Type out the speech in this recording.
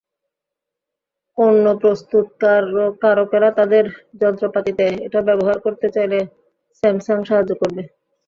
অন্য প্রস্তুতকারকেরা তাদের যন্ত্রপাতিতে এটা ব্যবহার করতে চাইলে স্যামসাং সাহায্য করবে।